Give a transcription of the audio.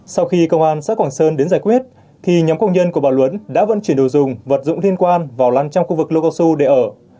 sau khi công an xã quảng sơn đến giải quyết thì nhóm công nhân của bà luyến đã vận chuyển đồ dùng vật dụng liên quan vào lan trong khu vực lô cao su để ở